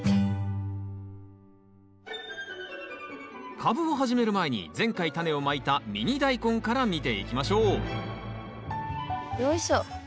カブを始める前に前回タネをまいたミニダイコンから見ていきましょうよいしょ。